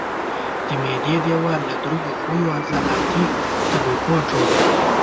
د معدې دېوال له درې ښویو عضلاتي طبقو جوړ دی.